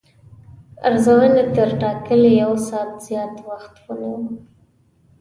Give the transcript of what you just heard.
ارزونې تر ټاکلي یو ساعت زیات وخت ونیو.